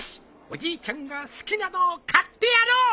おじいちゃんが好きなのを買ってやろう！